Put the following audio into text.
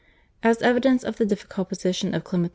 As evidence of the difficult position of Clement XI.